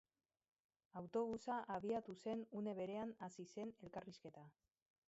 Autobusa abiatu zen une berean hasi zen elkarrizketa.